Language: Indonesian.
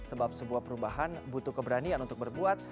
sebab sebuah perubahan butuh keberanian untuk berbuat